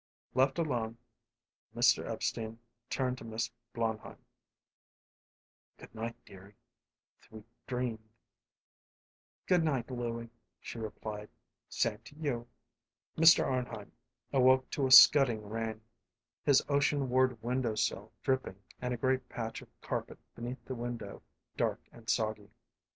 Left alone, Mr. Epstein turned to Miss Blondheim. "Good night, dearie," he whispered. "Thweet dreamth." "Good night, Louie," she replied. "Same to you." Mr. Arnheim awoke to a scudding rain; his ocean ward window sill dripping and a great patch of carpet beneath the window dark and soggy.